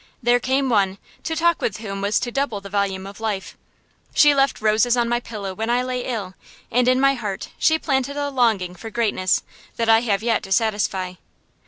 There came one, to talk with whom was to double the volume of life. She left roses on my pillow when I lay ill, and in my heart she planted a longing for greatness that I have yet to satisfy.